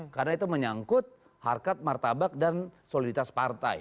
karena itu menyangkut harkat martabak dan soliditas partai